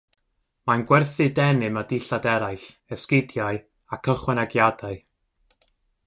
Mae'n gwerthu denim a dillad eraill, esgidiau ac ychwanegiadau.